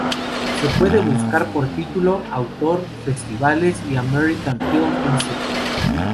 Se puede buscar por título, autor, festivales y American Film Institute.